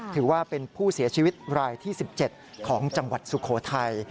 ถือว่าเป็นผู้เสียชีวิตรายที่๑๗ของจังหวัดสุโขทัย